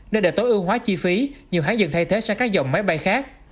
nên để tối ưu hóa chi phí nhiều hãng dần thay thế sang các dòng máy bay khác